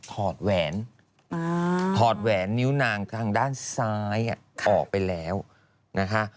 ถอดแหวนถอดแหวนนิ้วนางทางด้านซ้ายออกไปแล้วนะคะ